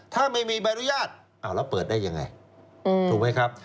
ถ้าไม่มีใบอนุญาตแล้วเปิดได้ยังไงถูกไหมครับ